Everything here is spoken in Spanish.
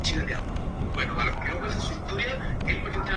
Se encuentra en las regiones de toda la costa este de Madagascar.